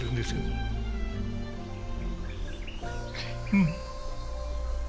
うん。